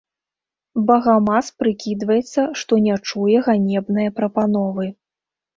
Багамаз прыкідваецца, што не чуе ганебнае прапановы.